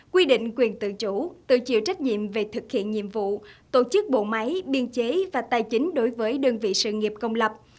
quy định quyền tự chủ tự chịu trách nhiệm về thực hiện nhiệm vụ tổ chức bộ máy biên chế và tài chính đối với đơn vị sự nghiệp công lập